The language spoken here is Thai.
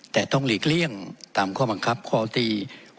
แต่ต้องหลีกเลี่ยงตามข้อบังคับข้อตี๖